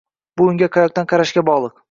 Bu unga qayoqdan qarashga bog’liq.